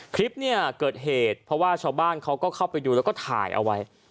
คลิปเนี่ยเกิดเหตุเพราะว่าชาวบ้านเขาก็เข้าไปดูแล้วก็ถ่ายเอาไว้